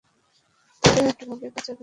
তোকে কীভাবে বাঁচাবে?